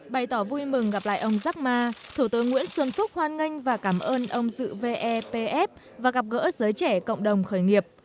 bày tỏ vui mừng gặp lại ông giekma thủ tướng nguyễn xuân phúc hoan nghênh và cảm ơn ông dự vepf và gặp gỡ giới trẻ cộng đồng khởi nghiệp